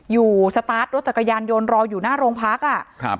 อยู่สตาร์ทรถจักรยานยนต์รออยู่หน้าโรงพักษณ์